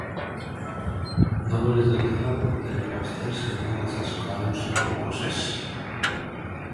Dolores Delgado terá que absterse en todas as causas do Procés.